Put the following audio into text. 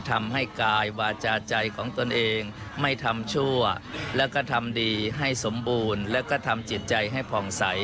ทำให้กายวาจาใจของตนเองไม่ทำชั่วและก็ทำดีให้สมบูรณ์